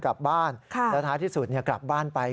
แล้วท้ายที่สุดกลับบ้านไป